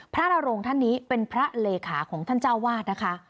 นโรงท่านนี้เป็นพระเลขาของท่านเจ้าวาดนะคะ